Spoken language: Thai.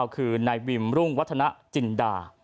คือนายวิมรุ่งวัฒนาจินดา